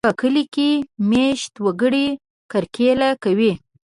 په کلي کې مېشت وګړي کرکېله کوي.